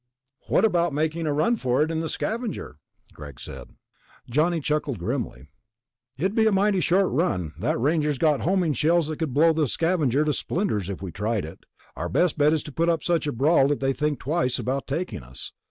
"What about making a run for it in the Scavenger?" Greg said. Johnny chuckled grimly. "It'd be a mighty short run. That Ranger's got homing shells that could blow the Scavenger to splinters if we tried it. Our best bet is to put up such a brawl that they think twice about taking us."